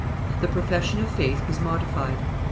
The profession of faith was modified.